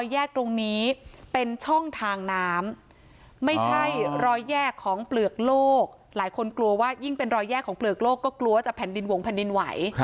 แยกของเปลือกโลกก็กลัวว่าจะแผ่นดินหวงแผ่นดินไหว